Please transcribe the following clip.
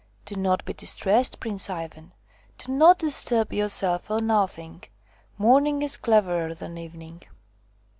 "Do not be distressed, Prince Ivan. Do not disturb yourself for nothing : Morning is cleverer than Evening."